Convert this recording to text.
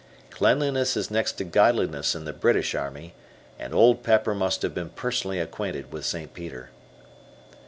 Cleanliness is next to Godliness in the British Army, and Old Pepper must have been personally acquainted with St. Peter.